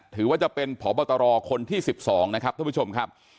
ถือว่าเป็นพบตรคนที่๑๒นะครับท่านผู้ชมครับ